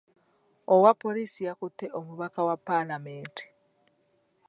Owa poliisi yakutte omubaka wa paalamenti.